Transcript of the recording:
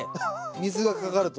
水がかかると。